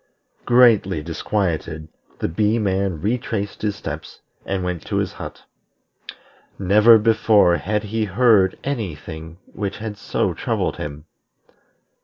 Greatly disquieted, the Bee man retraced his steps, and went to his hut. Never before had he heard any thing which had so troubled him.